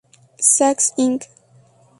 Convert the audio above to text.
Saks Inc.